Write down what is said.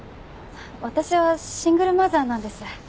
私はシングルマザーなんです。